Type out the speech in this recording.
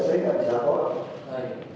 saya tidak bisa buat